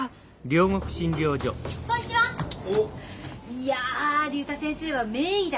いや竜太先生は名医だ。